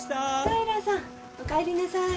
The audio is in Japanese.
平さんおかえりなさい。